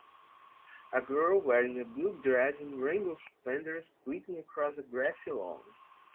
A girl wearing a blue dress and rainbow suspenders leaping across a grassy lawn.